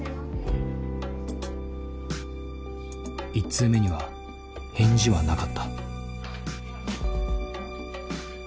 １通目には返事はなかった。